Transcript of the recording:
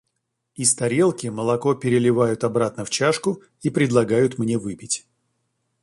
Из тарелки молоко переливают обратно в чашку и предлагают мне выпить.